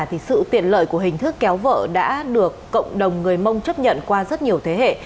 thì sự tiện lợi của hình thức kéo vợ đã được cộng đồng người mông chấp nhận qua rất nhiều thế hệ